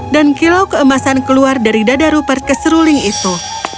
dan kilau keemasan keluar dari dada rupert ke seruling itu